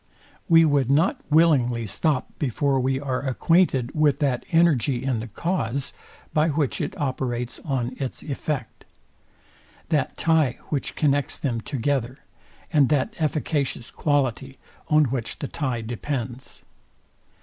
We would not willingly stop before we are acquainted with that energy in the cause, by which it operates on its effect; that tie, which connects them together; and that efficacious quality, on which the tie depends.